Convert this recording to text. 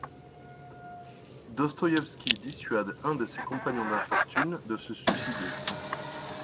Dostoïevski dissuade un de ses compagnons d'infortune de se suicider.